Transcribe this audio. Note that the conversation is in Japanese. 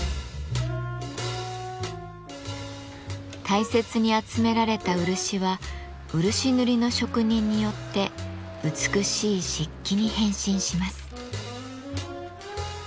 大切に集められた漆は漆塗りの職人によって美しい漆器に変身します。